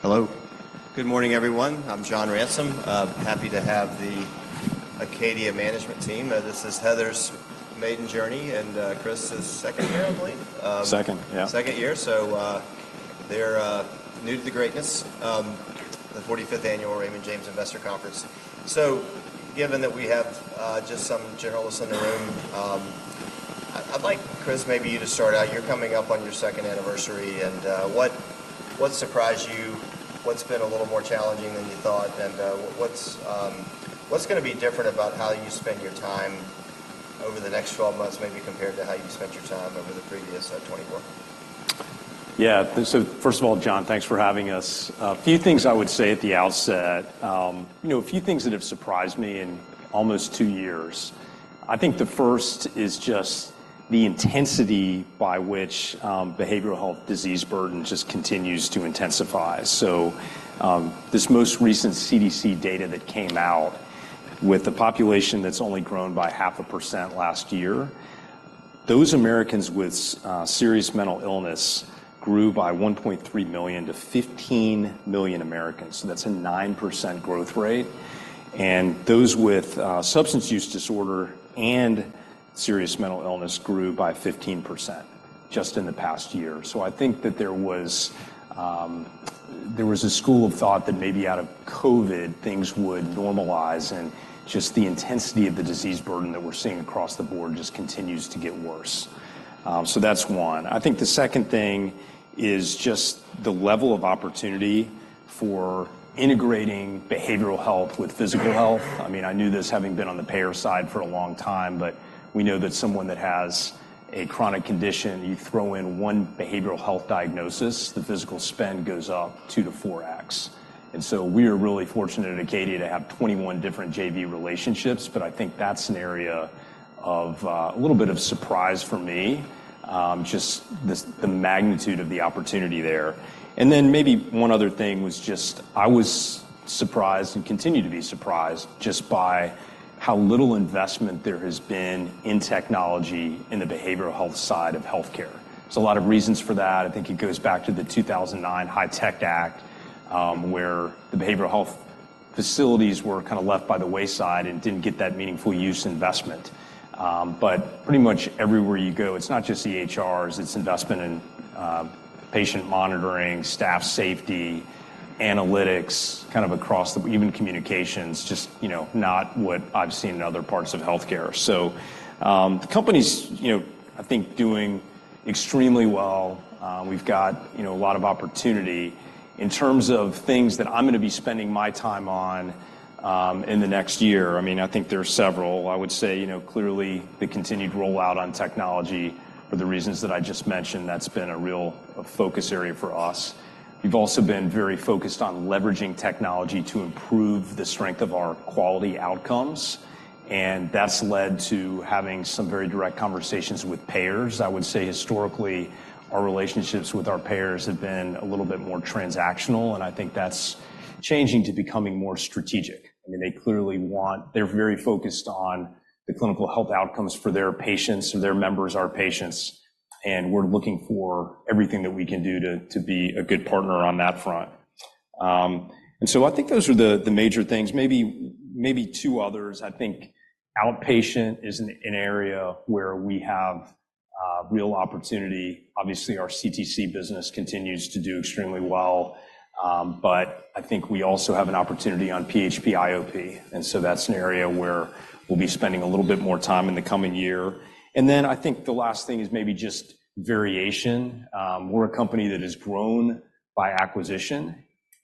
Hello. Good morning, everyone. I'm John Ransom. Happy to have the Acadia management team. This is Heather's maiden journey and Chris's second year, I believe. Second, yeah. Second year. So they're new to the greatness, the 45th Annual Institutional Investors Conference. So given that we have just some journalists in the room, I'd like Chris, maybe you to start out. You're coming up on your second anniversary, and what surprised you? What's been a little more challenging than you thought? And what's going to be different about how you spend your time over the next 12 months, maybe compared to how you spent your time over the previous 24? Yeah. So first of all, John, thanks for having us. A few things I would say at the outset, a few things that have surprised me in almost two years. I think the first is just the intensity by which behavioral health disease burden just continues to intensify. So this most recent CDC data that came out with a population that's only grown by 0.5% last year, those Americans with serious mental illness grew by 1.3 million to 15 million Americans. So that's a 9% growth rate. And those with substance use disorder and serious mental illness grew by 15% just in the past year. So I think that there was a school of thought that maybe out of COVID, things would normalize. And just the intensity of the disease burden that we're seeing across the board just continues to get worse. So that's one. I think the second thing is just the level of opportunity for integrating behavioral health with physical health. I mean, I knew this having been on the payer side for a long time, but we know that someone that has a chronic condition, you throw in one behavioral health diagnosis, the physical spend goes up 2-4x. And so we are really fortunate at Acadia to have 21 different JV relationships. But I think that's an area of a little bit of surprise for me, just the magnitude of the opportunity there. And then maybe one other thing was just I was surprised and continue to be surprised just by how little investment there has been in technology in the behavioral health side of healthcare. There's a lot of reasons for that. I think it goes back to the 2009 HITECH Act, where the behavioral health facilities were kind of left by the wayside and didn't get that meaningful use investment. But pretty much everywhere you go, it's not just EHRs. It's investment in patient monitoring, staff safety, analytics, kind of across the even communications, just not what I've seen in other parts of healthcare. So the company's, I think, doing extremely well. We've got a lot of opportunity. In terms of things that I'm going to be spending my time on in the next year, I mean, I think there are several. I would say clearly the continued rollout on technology for the reasons that I just mentioned, that's been a real focus area for us. We've also been very focused on leveraging technology to improve the strength of our quality outcomes. And that's led to having some very direct conversations with payers. I would say historically, our relationships with our payers have been a little bit more transactional. And I think that's changing to becoming more strategic. I mean, they clearly want. They're very focused on the clinical health outcomes for their patients, and their members are patients. And we're looking for everything that we can do to be a good partner on that front. And so I think those are the major things. Maybe two others. I think outpatient is an area where we have real opportunity. Obviously, our CTC business continues to do extremely well. But I think we also have an opportunity on PHP/IOP. And so that's an area where we'll be spending a little bit more time in the coming year. And then I think the last thing is maybe just variation. We're a company that has grown by acquisition.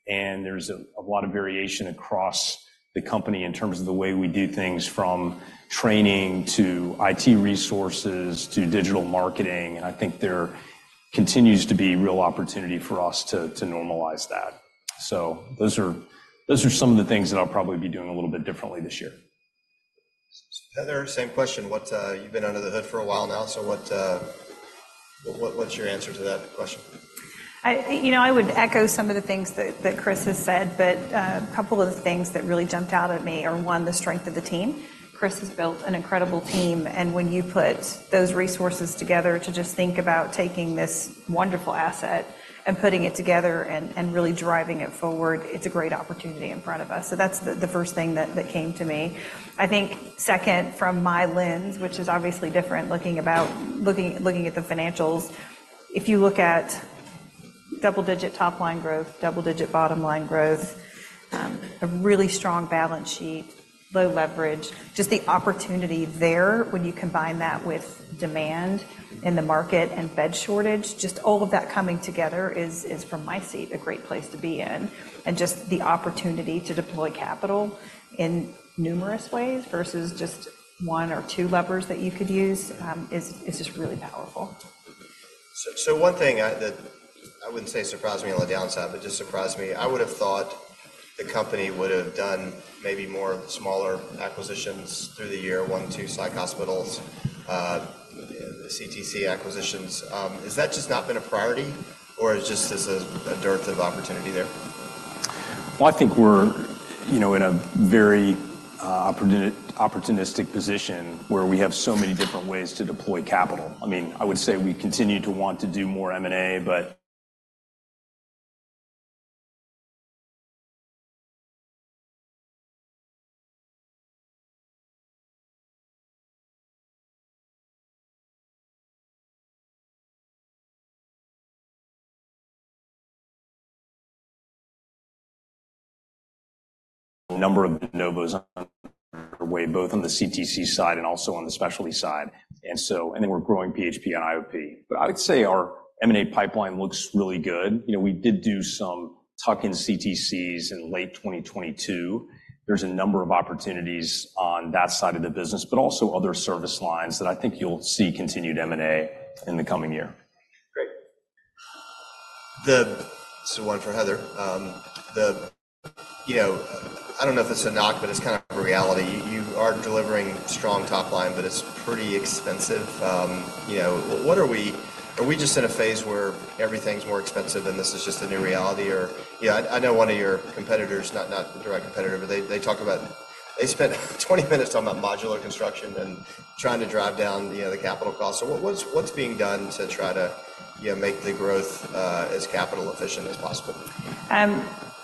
There's a lot of variation across the company in terms of the way we do things, from training to IT resources to digital marketing. I think there continues to be real opportunity for us to normalize that. Those are some of the things that I'll probably be doing a little bit differently this year. Heather, same question. You've been under the hood for a while now, so what's your answer to that question? I would echo some of the things that Chris has said. But a couple of the things that really jumped out at me are, one, the strength of the team. Chris has built an incredible team. And when you put those resources together to just think about taking this wonderful asset and putting it together and really driving it forward, it's a great opportunity in front of us. So that's the first thing that came to me. I think second, from my lens, which is obviously different looking at the financials, if you look at double-digit top-line growth, double-digit bottom-line growth, a really strong balance sheet, low leverage, just the opportunity there when you combine that with demand in the market and bed shortage, just all of that coming together is, from my seat, a great place to be in. Just the opportunity to deploy capital in numerous ways versus just one or two levers that you could use is just really powerful. So one thing that I wouldn't say surprised me on the downside, but just surprised me, I would have thought the company would have done maybe more smaller acquisitions through the year, 1, 2 psych hospitals, CTC acquisitions. Has that just not been a priority, or is just this a dearth of opportunity there? Well, I think we're in a very opportunistic position where we have so many different ways to deploy capital. I mean, I would say we continue to want to do more M&A, but. A number of the de novos are underway, both on the CTC side and also on the specialty side. And then we're growing PHP/IOP. But I would say our M&A pipeline looks really good. We did do some tuck-in CTCs in late 2022. There's a number of opportunities on that side of the business, but also other service lines that I think you'll see continued M&A in the coming year. Great. So one for Heather. I don't know if it's a knock, but it's kind of a reality. You are delivering strong top-line, but it's pretty expensive. Are we just in a phase where everything's more expensive, and this is just a new reality? I know one of your competitors, not the direct competitor, but they spent 20 minutes talking about modular construction and trying to drive down the capital cost. So what's being done to try to make the growth as capital-efficient as possible?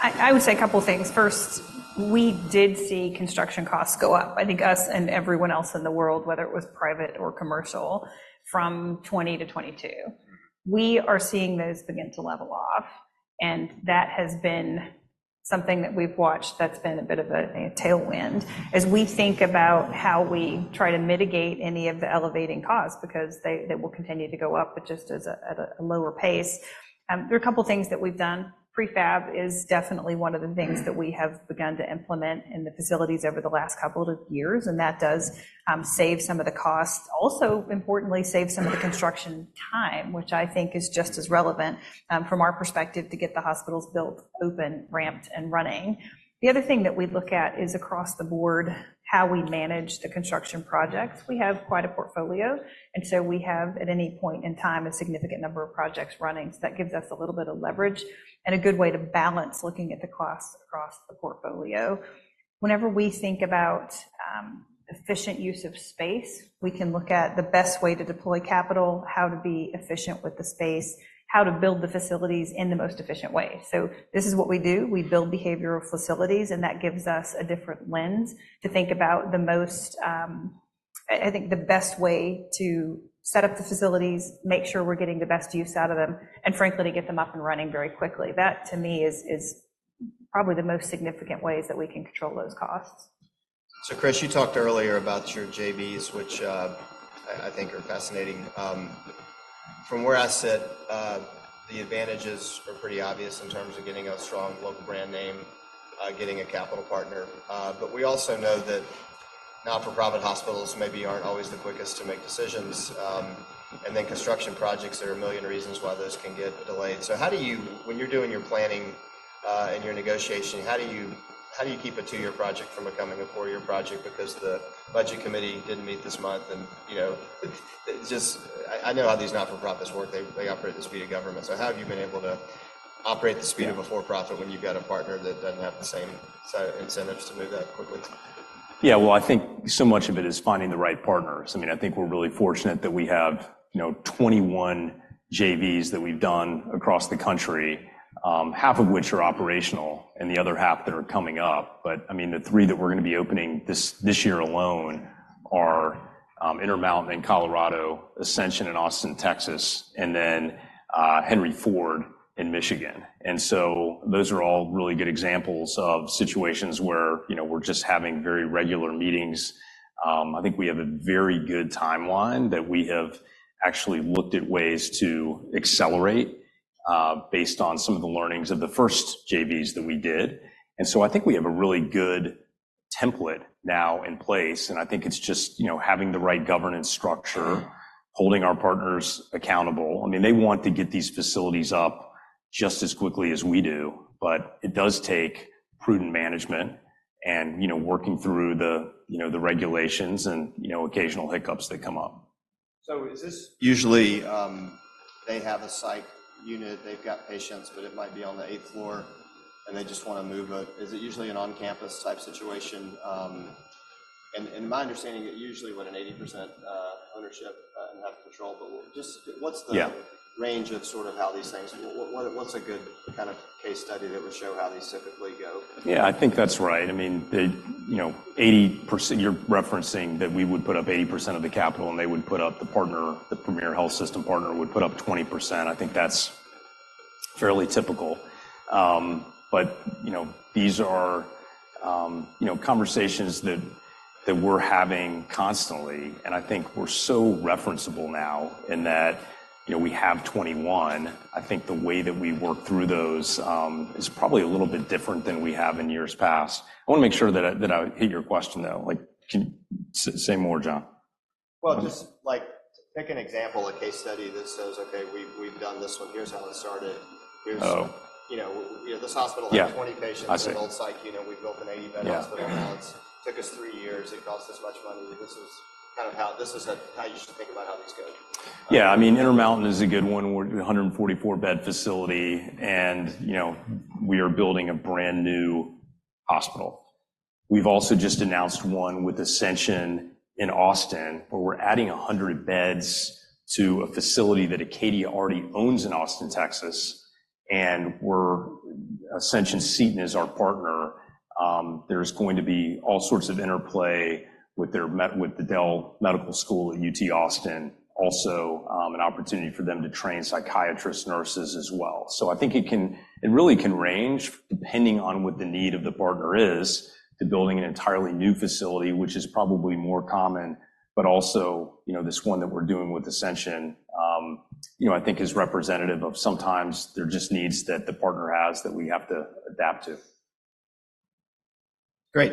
I would say a couple of things. First, we did see construction costs go up, I think us and everyone else in the world, whether it was private or commercial, from 2020 to 2022. We are seeing those begin to level off. And that has been something that we've watched that's been a bit of a tailwind as we think about how we try to mitigate any of the elevating costs because they will continue to go up, but just at a lower pace. There are a couple of things that we've done. Prefab is definitely one of the things that we have begun to implement in the facilities over the last couple of years. And that does save some of the costs. Also, importantly, save some of the construction time, which I think is just as relevant from our perspective to get the hospitals built, open, ramped, and running. The other thing that we look at is across the board, how we manage the construction projects. We have quite a portfolio. And so we have, at any point in time, a significant number of projects running. So that gives us a little bit of leverage and a good way to balance looking at the costs across the portfolio. Whenever we think about efficient use of space, we can look at the best way to deploy capital, how to be efficient with the space, how to build the facilities in the most efficient way. So this is what we do. We build behavioral facilities, and that gives us a different lens to think about, I think, the best way to set up the facilities, make sure we're getting the best use out of them, and frankly, to get them up and running very quickly. That, to me, is probably the most significant ways that we can control those costs. So Chris, you talked earlier about your JVs, which I think are fascinating. From where I sit, the advantages are pretty obvious in terms of getting a strong local brand name, getting a capital partner. But we also know that not-for-profit hospitals maybe aren't always the quickest to make decisions. And then construction projects, there are a million reasons why those can get delayed. So when you're doing your planning and your negotiation, how do you keep a two-year project from becoming a four-year project because the budget committee didn't meet this month? And I know how these not-for-profits work. They operate at the speed of government. So how have you been able to operate at the speed of a for-profit when you've got a partner that doesn't have the same incentives to move that quickly? Yeah. Well, I think so much of it is finding the right partners. I mean, I think we're really fortunate that we have 21 JVs that we've done across the country, half of which are operational and the other half that are coming up. But I mean, the 3 that we're going to be opening this year alone are Intermountain in Colorado, Ascension in Austin, Texas, and then Henry Ford in Michigan. And so those are all really good examples of situations where we're just having very regular meetings. I think we have a very good timeline that we have actually looked at ways to accelerate based on some of the learnings of the first JVs that we did. And so I think we have a really good template now in place. And I think it's just having the right governance structure, holding our partners accountable. I mean, they want to get these facilities up just as quickly as we do, but it does take prudent management and working through the regulations and occasional hiccups that come up. So is this. Usually, they have a psych unit. They've got patients, but it might be on the 8th floor, and they just want to move it. Is it usually an on-campus type situation? In my understanding, usually what an 80% ownership and have control. But what's the range of sort of how these things? What's a good kind of case study that would show how these typically go? Yeah, I think that's right. I mean, you're referencing that we would put up 80% of the capital, and they would put up the premier health system partner would put up 20%. I think that's fairly typical. But these are conversations that we're having constantly. And I think we're so referenceable now in that we have 21. I think the way that we work through those is probably a little bit different than we have in years past. I want to make sure that I hit your question, though. Say more, John. Well, just to pick an example, a case study that says, "Okay, we've done this one. Here's how it started. Here's. Oh. This hospital had 20 patients, an old psych unit. We built an 80-bed hospital now. It took us 3 years. It cost us much money." This is kind of how you should think about how these go. Yeah. I mean, Intermountain is a good one, 144-bed facility. And we are building a brand new hospital. We've also just announced one with Ascension in Austin, where we're adding 100 beds to a facility that Acadia already owns in Austin, Texas. And Ascension Seton is our partner. There's going to be all sorts of interplay with the Dell Medical School at UT Austin, also an opportunity for them to train psychiatrists, nurses as well. So I think it really can range depending on what the need of the partner is to building an entirely new facility, which is probably more common. But also this one that we're doing with Ascension, I think, is representative of sometimes there are just needs that the partner has that we have to adapt to. Great.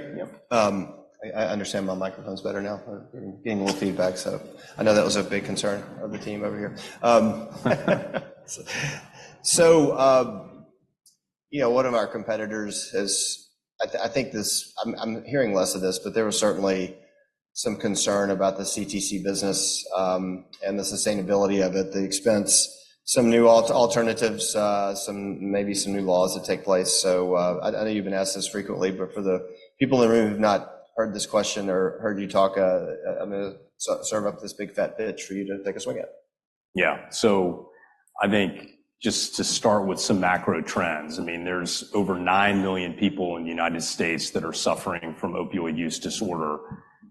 I understand my microphone's better now. I'm getting a little feedback. So I know that was a big concern of the team over here. So one of our competitors has, I'm hearing less of this, but there was certainly some concern about the CTC business and the sustainability of it, the expense, some new alternatives, maybe some new laws that take place. So I know you've been asked this frequently, but for the people in the room who have not heard this question or heard you talk, I'm going to serve up this big, fat pitch for you to take a swing at. Yeah. So I think just to start with some macro trends, I mean, there's over 9 million people in the United States that are suffering from opioid use disorder.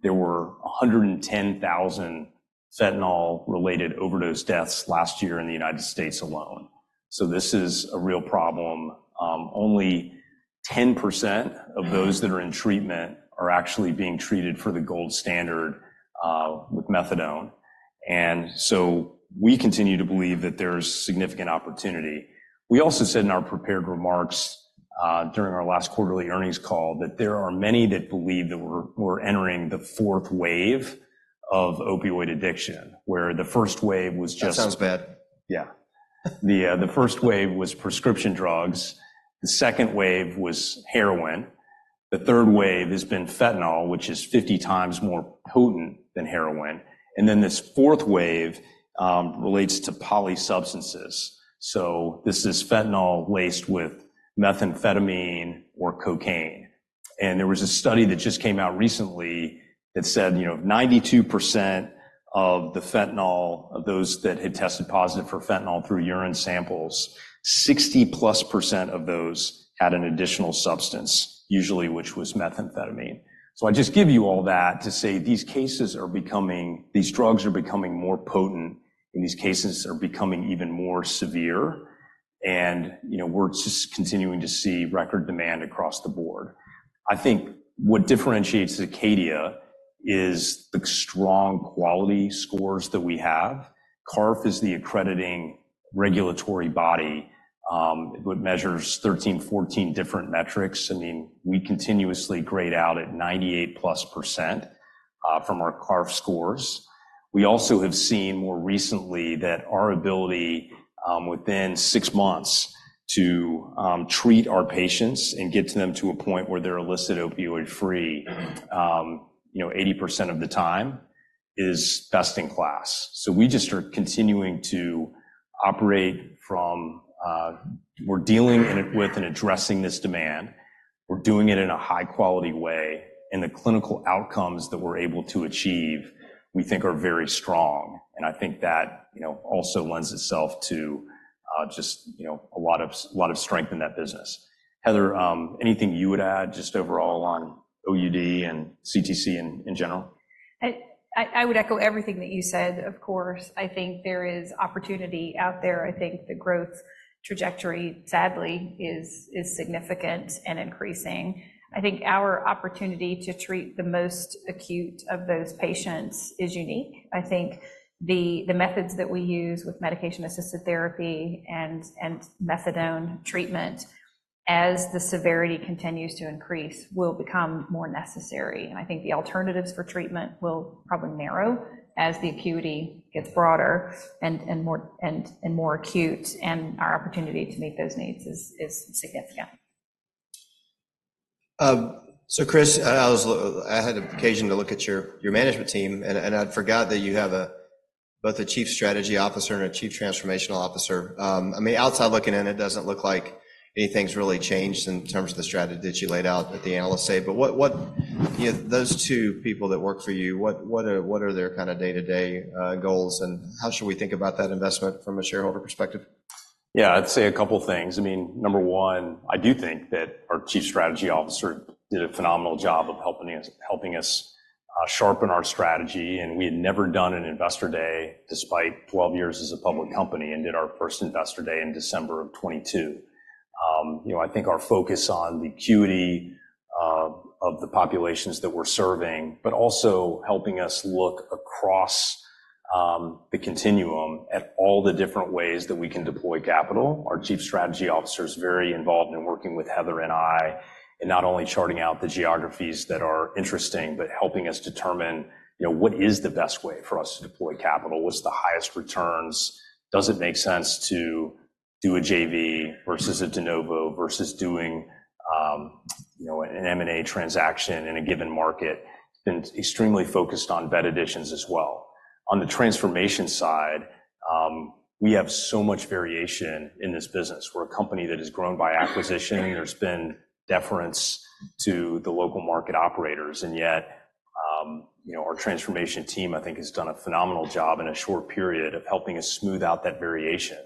There were 110,000 fentanyl-related overdose deaths last year in the United States alone. So this is a real problem. Only 10% of those that are in treatment are actually being treated for the gold standard with methadone. And so we continue to believe that there's significant opportunity. We also said in our prepared remarks during our last quarterly earnings call that there are many that believe that we're entering the fourth wave of opioid addiction, where the first wave was just. That sounds bad. Yeah. The first wave was prescription drugs. The second wave was heroin. The third wave has been fentanyl, which is 50 times more potent than heroin. And then this fourth wave relates to polysubstances. So this is fentanyl laced with methamphetamine or cocaine. And there was a study that just came out recently that said 92% of the fentanyl, of those that had tested positive for fentanyl through urine samples, 60+% of those had an additional substance, usually, which was methamphetamine. So I just give you all that to say these cases are becoming these drugs are becoming more potent, and these cases are becoming even more severe. And we're just continuing to see record demand across the board. I think what differentiates Acadia is the strong quality scores that we have. CARF is the accrediting regulatory body. It measures 13-14 different metrics. I mean, we continuously grade out at 98%+ from our CARF scores. We also have seen more recently that our ability within six months to treat our patients and get to them to a point where they're illicit opioid-free 80% of the time is best in class. So we just are continuing to operate from we're dealing with and addressing this demand. We're doing it in a high-quality way. And the clinical outcomes that we're able to achieve, we think, are very strong. And I think that also lends itself to just a lot of strength in that business. Heather, anything you would add just overall on OUD and CTC in general? I would echo everything that you said, of course. I think there is opportunity out there. I think the growth trajectory, sadly, is significant and increasing. I think our opportunity to treat the most acute of those patients is unique. I think the methods that we use with medication-assisted therapy and Methadone treatment, as the severity continues to increase, will become more necessary. And I think the alternatives for treatment will probably narrow as the acuity gets broader and more acute, and our opportunity to meet those needs is significant. So Chris, I had an occasion to look at your management team, and I'd forgot that you have both a Chief Strategy Officer and a Chief Transformational Officer. I mean, outside looking in, it doesn't look like anything's really changed in terms of the strategy that you laid out that the analysts say. But those two people that work for you, what are their kind of day-to-day goals? And how should we think about that investment from a shareholder perspective? Yeah, I'd say a couple of things. I mean, number one, I do think that our Chief Strategy Officer did a phenomenal job of helping us sharpen our strategy. We had never done an investor day despite 12 years as a public company and did our first investor day in December of 2022. I think our focus on the acuity of the populations that we're serving, but also helping us look across the continuum at all the different ways that we can deploy capital. Our Chief Strategy Officer is very involved in working with Heather and I in not only charting out the geographies that are interesting, but helping us determine what is the best way for us to deploy capital. What's the highest returns? Does it make sense to do a JV versus a de novo versus doing an M&A transaction in a given market? He's been extremely focused on bed additions as well. On the transformation side, we have so much variation in this business. We're a company that has grown by acquisition. There's been deference to the local market operators. And yet our transformation team, I think, has done a phenomenal job in a short period of helping us smooth out that variation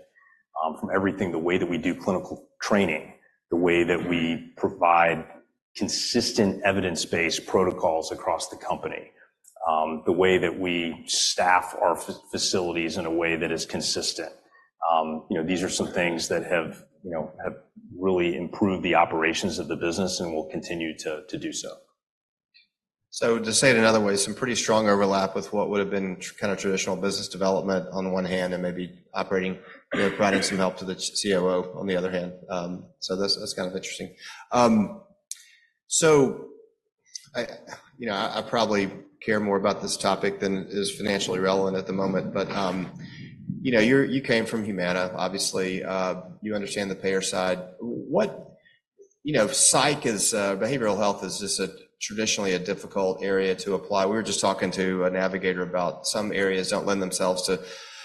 from everything, the way that we do clinical training, the way that we provide consistent evidence-based protocols across the company, the way that we staff our facilities in a way that is consistent. These are some things that have really improved the operations of the business and will continue to do so. So to say it another way, some pretty strong overlap with what would have been kind of traditional business development on the one hand and maybe providing some help to the COO on the other hand. So that's kind of interesting. So I probably care more about this topic than is financially relevant at the moment. But you came from Humana, obviously. You understand the payer side. Psych, behavioral health, is just traditionally a difficult area to apply. We were just talking to a navigator about some areas don't lend themselves to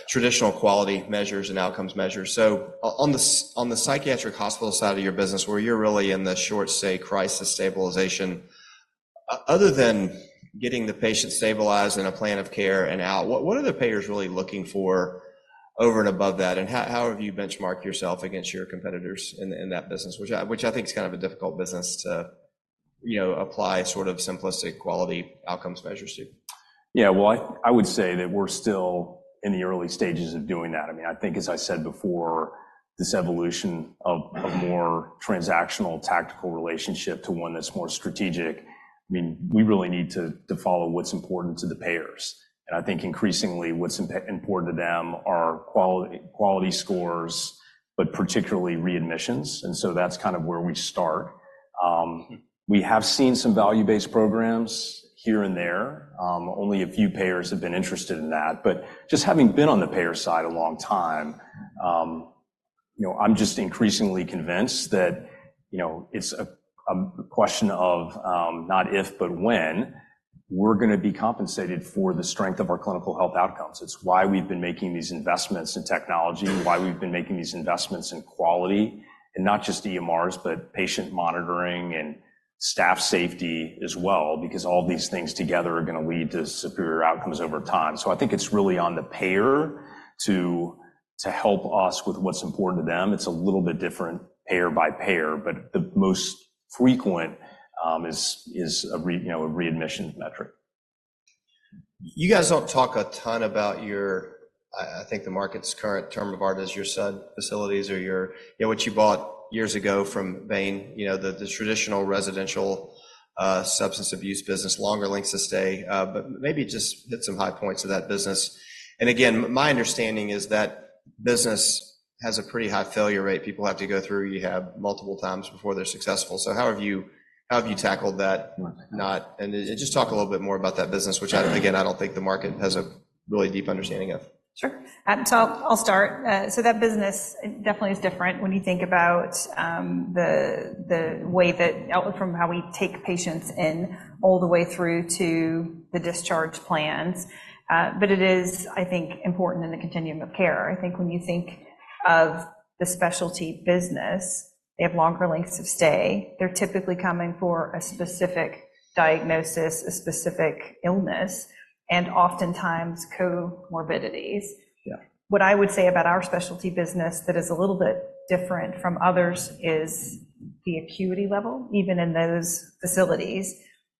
traditional quality measures and outcomes measures. So on the psychiatric hospital side of your business, where you're really in the short-stay crisis stabilization, other than getting the patient stabilized in a plan of care and out, what are the payers really looking for over and above that? How have you benchmarked yourself against your competitors in that business, which I think is kind of a difficult business to apply sort of simplistic quality outcomes measures to? Yeah. Well, I would say that we're still in the early stages of doing that. I mean, I think, as I said before, this evolution of more transactional tactical relationship to one that's more strategic, I mean, we really need to follow what's important to the payers. And I think increasingly, what's important to them are quality scores, but particularly readmissions. And so that's kind of where we start. We have seen some value-based programs here and there. Only a few payers have been interested in that. But just having been on the payer side a long time, I'm just increasingly convinced that it's a question of not if, but when we're going to be compensated for the strength of our clinical health outcomes. It's why we've been making these investments in technology, why we've been making these investments in quality, and not just EMRs, but patient monitoring and staff safety as well, because all these things together are going to lead to superior outcomes over time. I think it's really on the payer to help us with what's important to them. It's a little bit different payer by payer, but the most frequent is a readmissions metric. You guys don't talk a ton about your, I think the market's current term of art is your SUD facilities or what you bought years ago from Bain, the traditional residential substance abuse business, longer lengths of stay. Maybe just hit some high points of that business. Again, my understanding is that business has a pretty high failure rate. People have to go through multiple times before they're successful. How have you tackled that not and just talk a little bit more about that business, which, again, I don't think the market has a really deep understanding of. Sure. So I'll start. That business definitely is different when you think about the way that from how we take patients in all the way through to the discharge plans. But it is, I think, important in the continuum of care. I think when you think of the specialty business, they have longer lengths of stay. They're typically coming for a specific diagnosis, a specific illness, and oftentimes comorbidities. What I would say about our specialty business that is a little bit different from others is the acuity level, even in those facilities,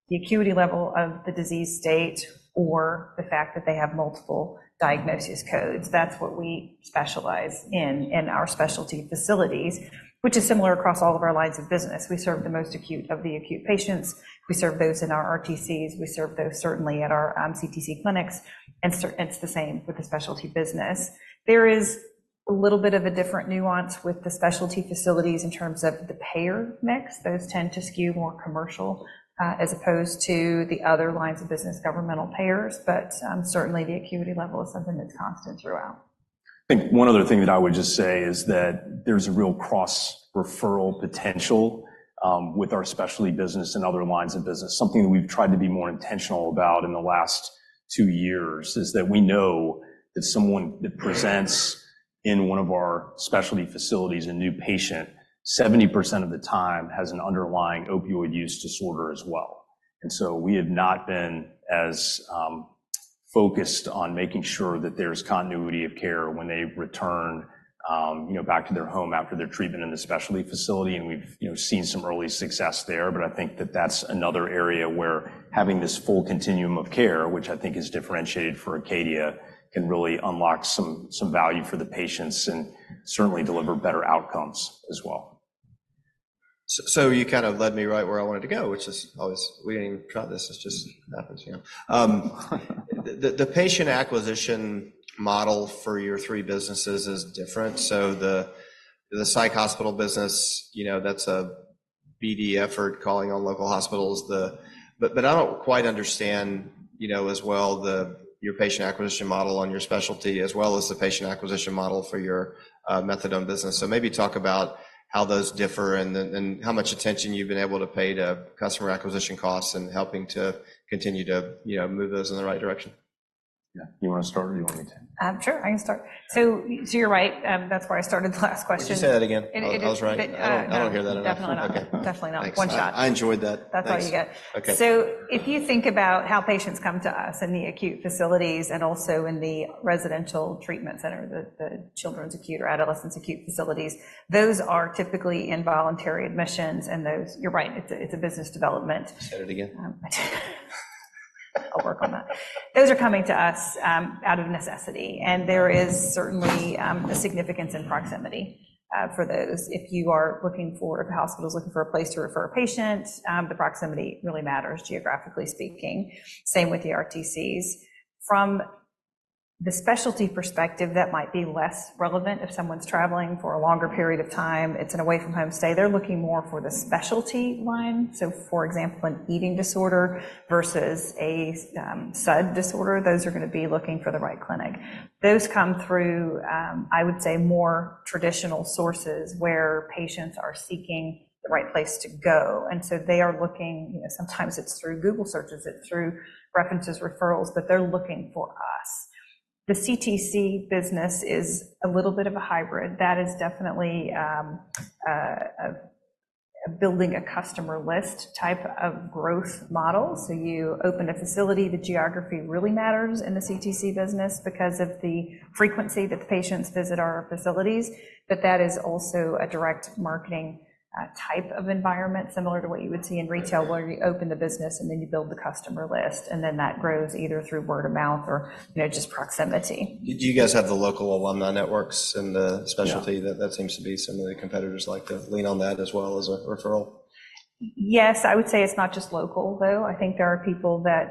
the acuity level of the disease state or the fact that they have multiple diagnosis codes. That's what we specialize in in our specialty facilities, which is similar across all of our lines of business. We serve the most acute of the acute patients. We serve those in our RTCs. We serve those certainly at our CTC clinics. And it's the same with the specialty business. There is a little bit of a different nuance with the specialty facilities in terms of the payer mix. Those tend to skew more commercial as opposed to the other lines of business, governmental payers. But certainly, the acuity level is something that's constant throughout. I think one other thing that I would just say is that there's a real cross-referral potential with our specialty business and other lines of business. Something that we've tried to be more intentional about in the last two years is that we know that someone that presents in one of our specialty facilities, a new patient, 70% of the time has an underlying Opioid Use Disorder as well. And so we have not been as focused on making sure that there's continuity of care when they return back to their home after their treatment in the specialty facility. And we've seen some early success there. But I think that that's another area where having this full continuum of care, which I think is differentiated for Acadia, can really unlock some value for the patients and certainly deliver better outcomes as well. So, you kind of led me right where I wanted to go, which is always. We didn't even try this. It just happens. The patient acquisition model for your three businesses is different. So, the psych hospital business, that's a BD effort calling on local hospitals. But I don't quite understand as well your patient acquisition model on your specialty as well as the patient acquisition model for your methadone business. So maybe talk about how those differ and how much attention you've been able to pay to customer acquisition costs and helping to continue to move those in the right direction. Yeah. You want to start or do you want me to? Sure. I can start. So you're right. That's where I started the last question. You say that again. I was right. I don't hear that enough. Definitely not. One shot. I enjoyed that. That's all you get. If you think about how patients come to us in the acute facilities and also in the residential treatment center, the children's acute or adolescents acute facilities, those are typically involuntary admissions. You're right. It's a business development. Say that again. I'll work on that. Those are coming to us out of necessity. And there is certainly a significance in proximity for those. If you are looking for, if a hospital is looking for a place to refer a patient, the proximity really matters, geographically speaking. Same with the RTCs. From the specialty perspective, that might be less relevant if someone's traveling for a longer period of time. It's an away-from-home stay. They're looking more for the specialty line. So for example, an eating disorder versus a SUD disorder, those are going to be looking for the right clinic. Those come through, I would say, more traditional sources where patients are seeking the right place to go. And so they are looking. Sometimes it's through Google searches. It's through references, referrals that they're looking for us. The CTC business is a little bit of a hybrid. That is definitely building a customer list type of growth model. So you open a facility. The geography really matters in the CTC business because of the frequency that the patients visit our facilities. But that is also a direct marketing type of environment similar to what you would see in retail where you open the business and then you build the customer list. And then that grows either through word of mouth or just proximity. Do you guys have the local alumni networks in the specialty? That seems to be some of the competitors like to lean on that as well as a referral. Yes. I would say it's not just local, though. I think there are people that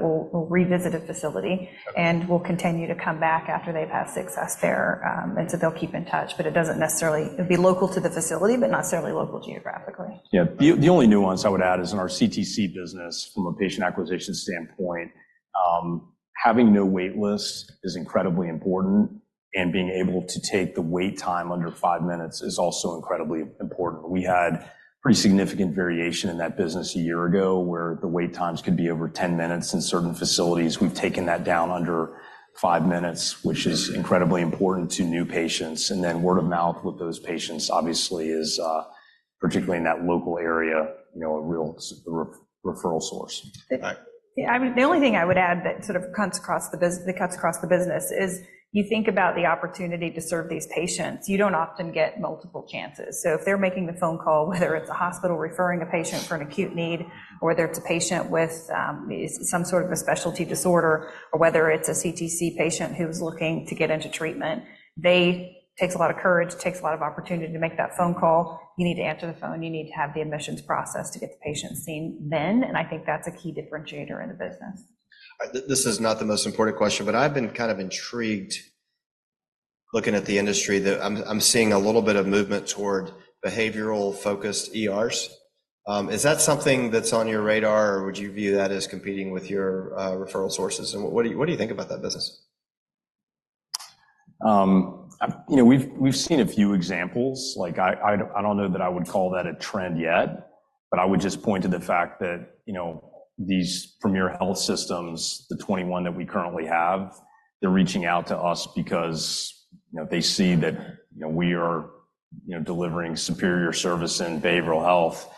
will revisit a facility and will continue to come back after they've had success there. And so they'll keep in touch. But it doesn't necessarily. It'd be local to the facility, but not necessarily local geographically. Yeah. The only nuance I would add is in our CTC business, from a patient acquisition standpoint, having no wait list is incredibly important. And being able to take the wait time under five minutes is also incredibly important. We had pretty significant variation in that business a year ago where the wait times could be over 10 minutes in certain facilities. We've taken that down under five minutes, which is incredibly important to new patients. And then word of mouth with those patients, obviously, is particularly in that local area, a real referral source. The only thing I would add that sort of cuts across the business is you think about the opportunity to serve these patients. You don't often get multiple chances. So if they're making the phone call, whether it's a hospital referring a patient for an acute need or whether it's a patient with some sort of a specialty disorder or whether it's a CTC patient who's looking to get into treatment, it takes a lot of courage, takes a lot of opportunity to make that phone call. You need to answer the phone. You need to have the admissions process to get the patient seen then. And I think that's a key differentiator in the business. This is not the most important question, but I've been kind of intrigued looking at the industry. I'm seeing a little bit of movement toward behavioral-focused ERs. Is that something that's on your radar, or would you view that as competing with your referral sources? What do you think about that business? We've seen a few examples. I don't know that I would call that a trend yet, but I would just point to the fact that these premier health systems, the 21 that we currently have, they're reaching out to us because they see that we are delivering superior service in behavioral health.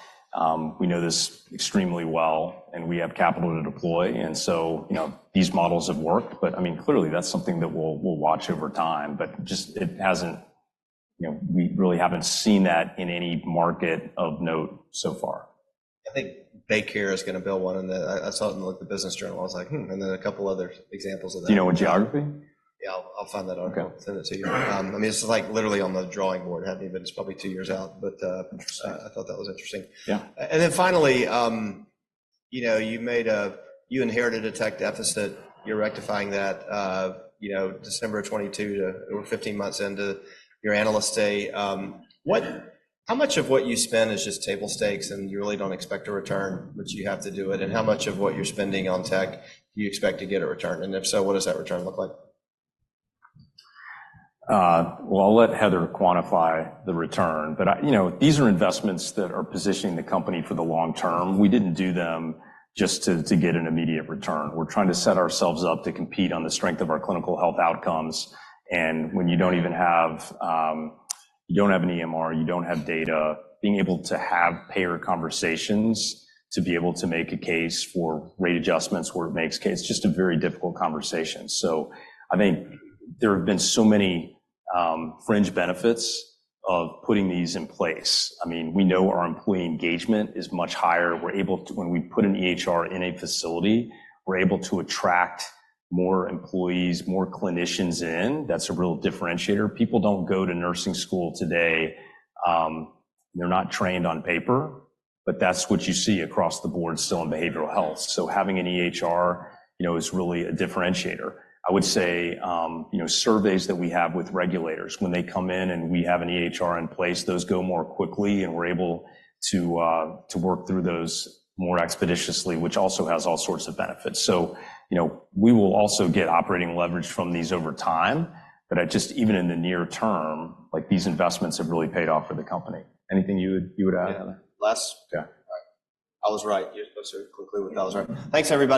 We know this extremely well, and we have capital to deploy. And so these models have worked. But I mean, clearly, that's something that we'll watch over time. But just we really haven't seen that in any market of note so far. I think BayCare is going to build one. I saw it in the Business Journal. I was like, and then a couple of other examples of that. Do you know what geography? Yeah. I'll find that out. I'll send it to you. I mean, it's literally on the drawing board. It hasn't even been. It's probably 2 years out. But I thought that was interesting. And then finally, you inherited a tech deficit. You're rectifying that. December of 2022, we're 15 months into your analyst day. How much of what you spend is just table stakes, and you really don't expect a return, but you have to do it? And how much of what you're spending on tech do you expect to get a return? And if so, what does that return look like? Well, I'll let Heather quantify the return. But these are investments that are positioning the company for the long term. We didn't do them just to get an immediate return. We're trying to set ourselves up to compete on the strength of our clinical health outcomes. And when you don't even have you don't have an EMR. You don't have data. Being able to have payer conversations to be able to make a case for rate adjustments where it makes case is just a very difficult conversation. So I think there have been so many fringe benefits of putting these in place. I mean, we know our employee engagement is much higher. When we put an EHR in a facility, we're able to attract more employees, more clinicians in. That's a real differentiator. People don't go to nursing school today. They're not trained on paper. But that's what you see across the board still in Behavioral Health. So having an EHR is really a differentiator. I would say surveys that we have with regulators, when they come in and we have an EHR in place, those go more quickly. And we're able to work through those more expeditiously, which also has all sorts of benefits. So we will also get operating leverage from these over time. But even in the near term, these investments have really paid off for the company. Anything you would add, Heather? Less? Okay. I was right. You're supposed to conclude with I was right. Thanks, everybody.